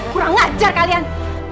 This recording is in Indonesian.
kurang ajar kalian